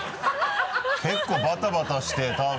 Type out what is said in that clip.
結構バタバタして多分。